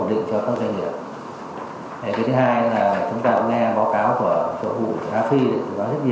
giá cạnh tranh như nào